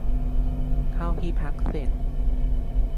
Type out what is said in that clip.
เข้าที่พักเสร็จ